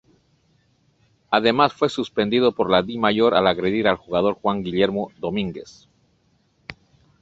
Además fue suspendido por la Dimayor al agredir al jugador Juan Guillermo Domínguez.